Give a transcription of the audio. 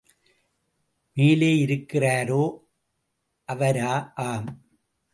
மேலேயிருக்கிறாரே அவரா! ஆம்!